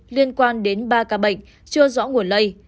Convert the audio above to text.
liên quan đến ba ca bệnh chưa rõ nguồn lây